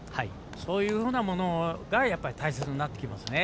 そういうふうなものが大切になってきますね。